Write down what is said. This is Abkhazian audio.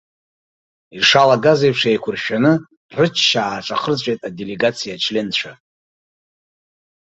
Ишалагаз еиԥш еиқәыршәаны, рычча ааҿахырҵәеит аделегациа ачленцәа.